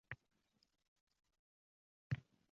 Bahorim yuz ochdi kelinchak bo’lib!